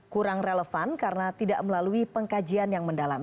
kurang relevan karena tidak melalui pengkajian yang mendalam